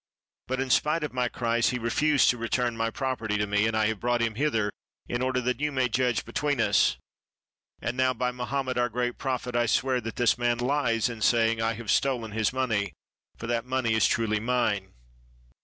but in spite of my cries, he refused to return my property to me, and I have brought him hither in order that you may judge between us. And now, by Mohammed, our great Prophet, I swear that this man lies in saying that I have stolen his money, for that money is truly mine."